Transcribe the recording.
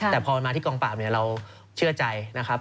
แต่พอมาที่กองปราบเนี่ยเราเชื่อใจนะครับ